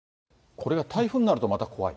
これが台風になると、また怖い。